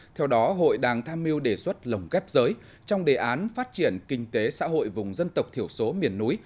theo đó hội đang tham mưu đề xuất lồng ghép giới trong đề án phát triển kinh tế xã hội vùng dân tộc thiểu số miền núi